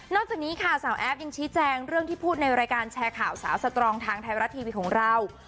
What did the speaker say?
จากนี้ค่ะสาวแอฟยังชี้แจงเรื่องที่พูดในรายการแชร์ข่าวสาวสตรองทางไทยรัฐทีวีของเรา